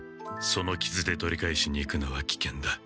そのキズで取り返しに行くのはきけんだ。